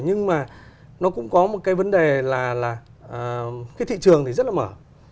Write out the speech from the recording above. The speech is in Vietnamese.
nhưng mà nó cũng có một cái vấn đề là cái thị trường thì rất là mở